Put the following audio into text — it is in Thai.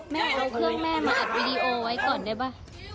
แม่เอาเครื่องแม่มาอัดวีดีโอไว้ก่อนได้ป่ะ